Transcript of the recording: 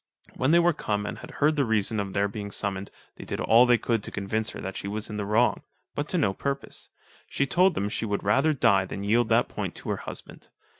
When they were come and had heard the reason of their being summoned, they did all they could to convince her that she was in the wrong, but to no purpose: she told them she would rather die than yield that point to her husband.